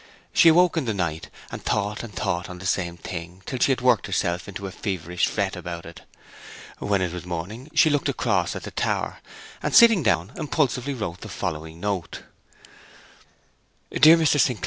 She awoke in the night, and thought and thought on the same thing, till she had worked herself into a feverish fret about it. When it was morning she looked across at the tower, and sitting down, impulsively wrote the following note: 'DEAR MR. ST.